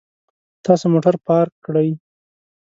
تاسو موټر پارک کړئ